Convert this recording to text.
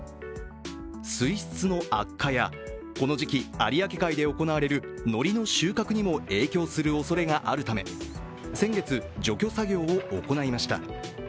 水質の悪化やこの時期、有明海で行われるのりの収穫にも影響するおそれがあるため先月、除去作業を行いました。